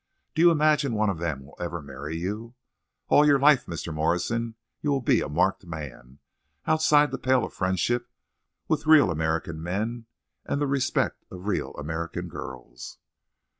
Do you imagine one of them will ever marry you?... All your life, Mr. Morrison, you will be a marked man—outside the pale of friendship with real American men and the respect of real American girls."